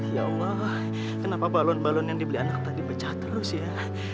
ya allah kenapa balon balon yang dibeli anak tadi pecah terus ya